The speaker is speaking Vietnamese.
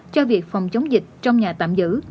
cho việc phòng chống dịch trong nhà tạm giữ